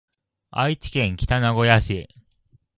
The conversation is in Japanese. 愛知県北名古屋市